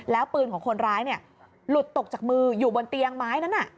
แล้วปืนของคนร้ายหลุดตกจากมืออยู่บนเตียงไม้นั้น